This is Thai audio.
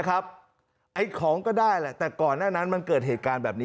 ไอ้ของก็ได้แหละแต่ก่อนหน้านั้นมันเกิดเหตุการณ์แบบนี้